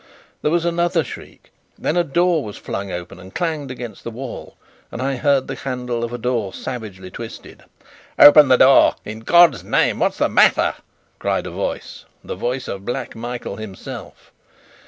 There was another shriek. Then a door was flung open and clanged against the wall, and I heard the handle of a door savagely twisted. "Open the door! In God's name, what's the matter?" cried a voice the voice of Black Michael himself.